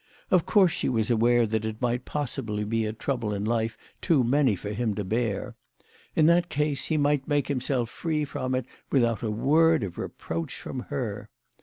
Of course she was aware that it might possibly be a trouble in life too many for him to bear. In that case he might make himself free from it without a word of reproach from her.